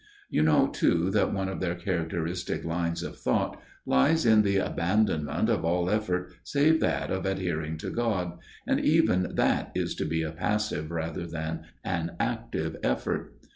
You know, too, that one of their characteristic lines of thought lies in the abandonment of all effort save that of adhering to God, and even that is to be a passive rather than an active effort.